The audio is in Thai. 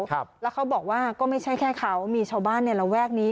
ครับแล้วเขาบอกว่าก็ไม่ใช่แค่เขามีชาวบ้านในระแวกนี้